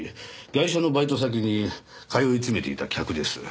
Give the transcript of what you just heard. ガイシャのバイト先に通いつめていた客です。